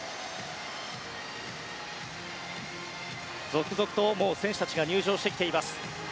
続々と選手たちが入場してきています。